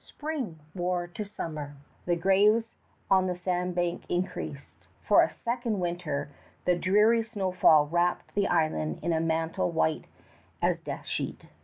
Spring wore to summer. The graves on the sand banks increased. For a second winter the dreary snowfall wrapped the island in a mantle white as death sheet.